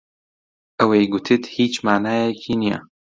ئەوەی گوتت هیچ مانایەکی نییە.